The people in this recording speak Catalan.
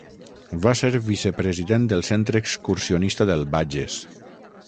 Va ser vicepresident del Centre Excursionista del Bages.